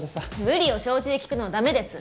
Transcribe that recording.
無理を承知で聞くのはダメです。